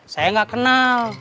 saya gak kenal